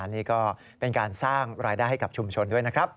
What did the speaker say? นี่ก็เป็นการสร้างรายได้ให้กับชุมชนด้วยนะครับ